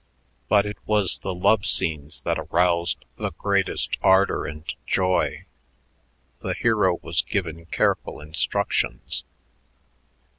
But it was the love scenes that aroused the greatest ardor and joy. The hero was given careful instructions.